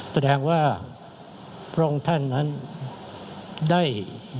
แสดงว่าพระองค์ท่านนั้นได้